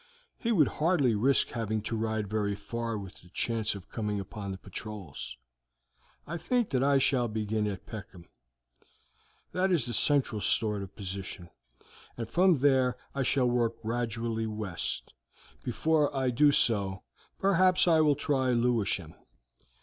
He would hardly risk having to ride very far with the chance of coming upon the patrols. I think that I shall begin at Peckham; that is a central sort of position, and from there I shall work gradually west; before I do so perhaps I shall try Lewisham.